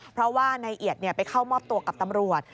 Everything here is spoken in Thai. เพราะว่านายเอียดไปเข้ามอบตัวกับตำรวจ